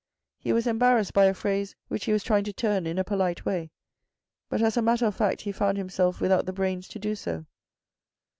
He was embarrassed by a phrase which he was trying to turn in a polite way, but as a matter of fact he found himself without the brains to do so.